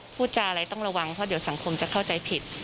พูดจาอะไรต้องระวังเพราะเดี๋ยวสังคมจะเข้าใจผิด